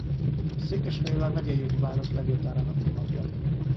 Székesfehérvár Megyei Jogú Város Levéltárának honlapja